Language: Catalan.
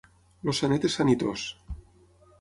El senet és sanitós.